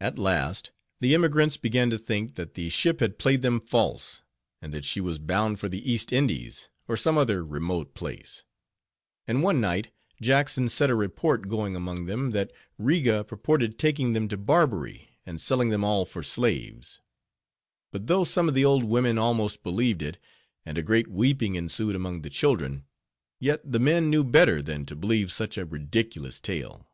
At last, the emigrants began to think, that the ship had played them false; and that she was bound for the East Indies, or some other remote place; and one night, Jackson set a report going among them, that Riga purposed taking them to Barbary, and selling them all for slaves; but though some of the old women almost believed it, and a great weeping ensued among the children, yet the men knew better than to believe such a ridiculous tale.